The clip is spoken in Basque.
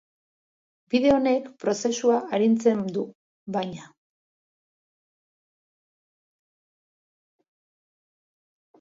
Bide honek prozesua arintzen du, baina.